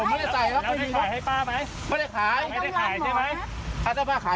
พี่เป็นยังไงถ้าพี่บอกไม่ขายก็ไม่ได้ขาย